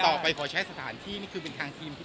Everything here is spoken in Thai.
ก็ตอนเข้าไปก็ได้รับแจ้งนะครับเราก็ทำตามในสิ่งที่แจ้งหมดนะครับ